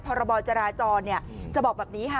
พรบจราจรจะบอกแบบนี้ค่ะ